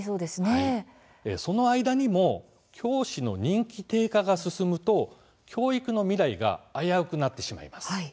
その間にも教師の人気低下が進むと教育の未来が危うくなってしまいます。